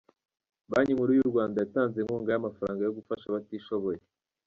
Banki y’urwanda yatanze inkunga y’amafaranga yo gufasha abatishoboye